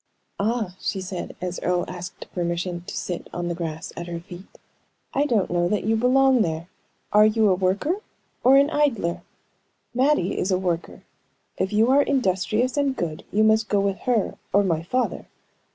"Ah," she said, as Earle asked permission to sit on the grass at her feet, "I don't know that you belong there. Are you a worker or an idler? Mattie is a worker; if you are industrious and good, you must go with her or my father.